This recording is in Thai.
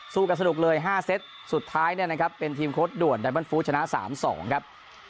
กันสนุกเลย๕เซตสุดท้ายเนี่ยนะครับเป็นทีมโค้ดด่วนไดบอลฟู้ชนะ๓๒ครับ